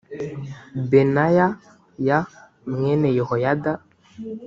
benaya y mwene yehoyada